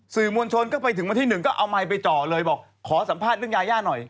สื่อมวลชนก็ไปถึงวันที่๑ก็เอาไมค์ไปเจาะเลยบอกขอสัมภาษณ์เรื่องยาย่าหน่อย